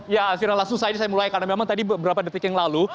ya akhirnya susah ini saya mulai karena memang tadi beberapa detik yang lalu